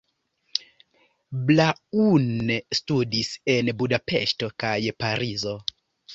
Braun studis en Budapeŝto kaj Parizo.